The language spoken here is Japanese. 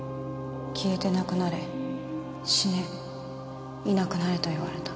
消えてなくなれ死ねいなくなれと言われた。